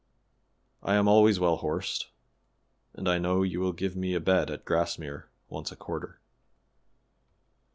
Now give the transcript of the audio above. I am always well horsed, and I know you will give me a bed at Grassmere once a quarter."